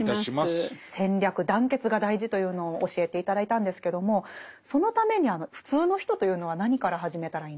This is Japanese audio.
戦略団結が大事というのを教えて頂いたんですけどもそのために普通の人というのは何から始めたらいいんですか？